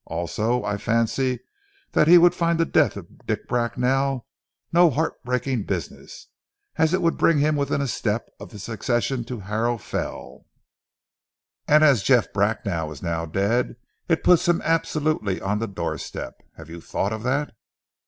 Also, I fancy that he would find the death of Dick Bracknell no heartbreaking business, as it would bring him within a step of the succession to Harrow Fell; and as Jeff Bracknell is now dead, it puts him absolutely on the doorstep. Have you thought of that?"